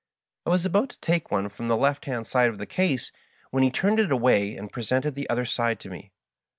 I was about to take one from the left hand side of the case, when he turned it away and presented the other side to me.